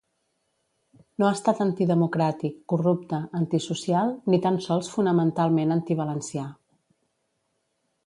No ha estat antidemocràtic, corrupte, antisocial, ni tan sols fonamentalment antivalencià.